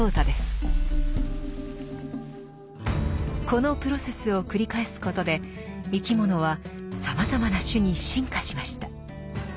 このプロセスを繰り返すことで生き物はさまざまな種に進化しました。